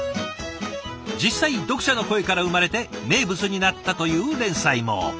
実際読者の声から生まれて名物になったという連載も。